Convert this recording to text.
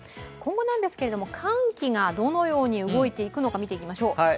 今後なんですけれども、寒気がどのように動いていくのか見ていきましょう。